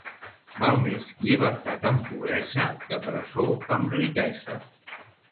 Val més llibertat amb pobresa que presó amb riquesa.